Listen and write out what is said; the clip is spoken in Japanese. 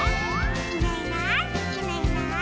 「いないいないいないいない」